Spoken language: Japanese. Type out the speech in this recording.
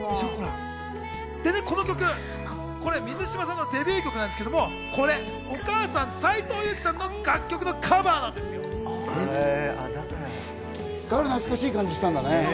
この曲、水嶋さんのデビュー曲なんですけれども、お母さん、斉藤由貴さんの楽曲のカバーなんだから懐かしい感じがしたんだね。